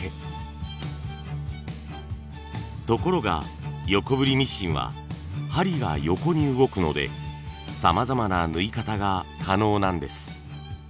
ところが横振りミシンは針が横に動くのでさまざまな縫い方が可能なんです。